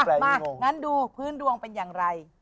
มางั้นดูพื้นดวงเป็นอย่างไร